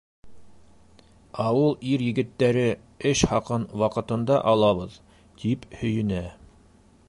Ауыл ир-егеттәре, эш хаҡын ваҡытында алабыҙ, тип һөйөнә.